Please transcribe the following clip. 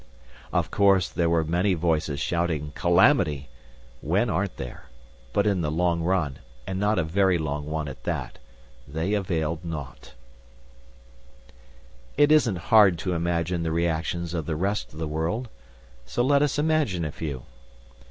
Of course there were voices shouting calamity. When aren't there? But in the long run, and not a very long one at that, they availed naught. It isn't hard to imagine the reactions of the rest of the world. So let us imagine a few.